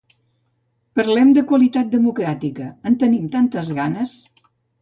Parlem de qualitat democràtica, en tenim tantes ganes.